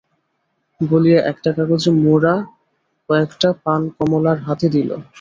বলিয়া একটা কাগজে মোড়া কয়েকটা পান কমলার হাতে দিল।